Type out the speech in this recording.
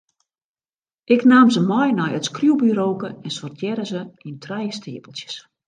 Ik naam se mei nei it skriuwburoke en sortearre se yn trije steapeltsjes.